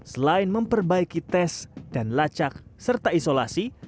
selain memperbaiki tes dan lacak serta isolasi